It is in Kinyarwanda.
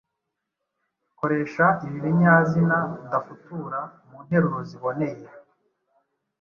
Koresha ibi binyazina ndafutura mu nteruro ziboneye.